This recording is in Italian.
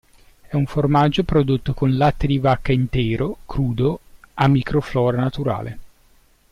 È un formaggio prodotto con latte di vacca intero, crudo a microflora naturale.